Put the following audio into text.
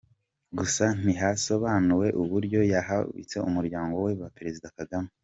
Gusa ntihasobanuwe uburyo yaharabitse umuryango wa Perezida Kagame.